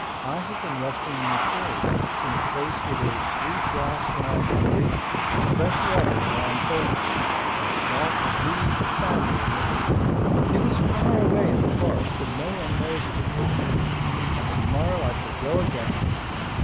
I have been resting in the shade in a place where there is sweet grass when I am hungry, and fresh water when I am thirsty, and a soft breeze to fan me in the heat. It is far away in the forest, and no one knows of it but me, and to morrow I shall go again.